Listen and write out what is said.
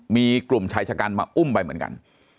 มีกลุ่มชายชะกันมาอุ้มไปเหมือนกัน